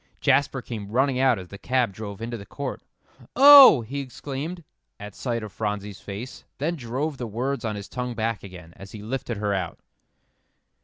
Jasper came running out as the cab drove into the court. "Oh!" he exclaimed, at sight of Phronsie's face, then drove the words on his tongue back again, as he lifted her out.